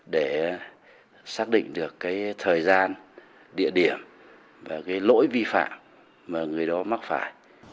để xác định được thời gian địa điểm và lỗi vi phạm mà người đó mắc phải